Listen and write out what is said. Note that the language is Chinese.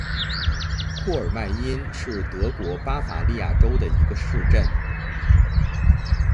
库尔迈因是德国巴伐利亚州的一个市镇。